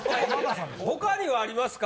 他にはありますか？